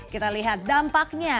kita lihat dampaknya